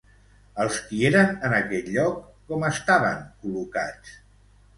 Els qui eren en aquell lloc, com estaven col·locats?